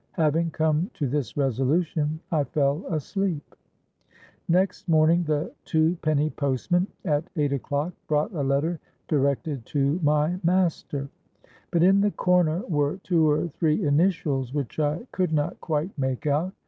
Having come to this resolution I fell asleep. Next morning the twopenny postman at eight o'clock brought a letter directed to my master; but in the corner were two or three initials which I could not quite make out.